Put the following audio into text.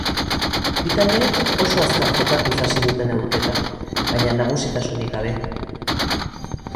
Bi taldeek oso azkar jokatuz hasi dute neurketa, baina nagusitasunik gabe.